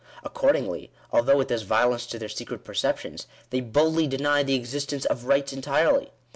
Accordingly, although it does violence to their secret perceptions, they boldly deny the existence of "rights" entirely.